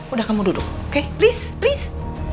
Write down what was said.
udah kamu duduk oke please please